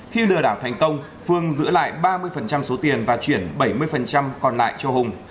khi lừa đảo thành công phương giữ lại ba mươi số tiền và chuyển bảy mươi còn lại cho hùng